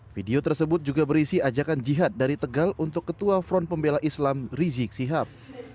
video tersebut juga berisi ajakan jihad dari tegal untuk ketua front pembela islam rizik sihab